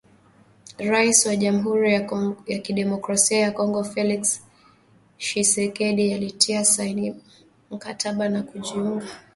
Rais wa jamhuri ya kidemokrasia ya Kongo, Felix Tshisekedi alitia Saini mkataba wa kujiunga Jumuhia ya Afrika mashariki.